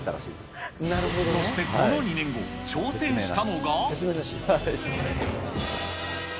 そしてこの２年後、挑戦したのが。